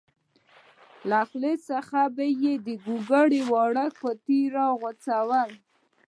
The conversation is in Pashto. له خولې څخه به یې د ګوګړو وړه قطۍ راوغورځوله.